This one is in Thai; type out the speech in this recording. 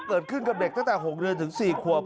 เกิดขึ้นกับเด็กตั้งแต่๖เดือนถึง๔ขวบ